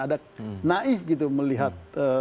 ada naif gitu melihat